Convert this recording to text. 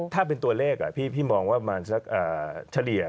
ถ้าเป็นตัวเลขพี่มองว่าประมาณสักเฉลี่ย